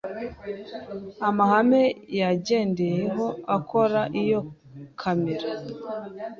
amahame yagendeyeho akora iyo kamera.